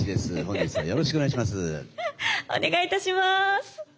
お願いいたします。